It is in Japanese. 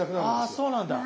あそうなんだ。